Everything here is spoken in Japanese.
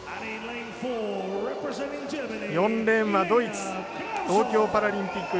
４レーンはドイツ東京パラリンピック